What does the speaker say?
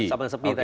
sampai sepi tadi